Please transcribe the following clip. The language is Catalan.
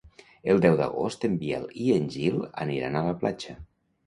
El deu d'agost en Biel i en Gil aniran a la platja.